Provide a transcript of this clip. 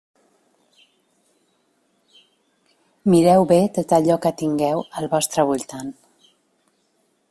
Mireu bé tot allò que tingueu al vostre voltant.